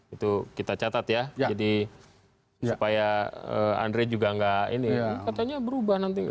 itu kita catat ya jadi supaya andre juga enggak ini katanya berubah nanti